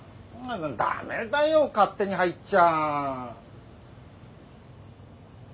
駄目だよ勝手に入っちゃ。